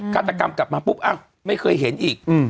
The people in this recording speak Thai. ฆาตกรรมกลับมาปุ๊บไม่เคยเห็นอีก